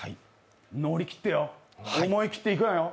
乗り切ってよ、思い切っていくのよ。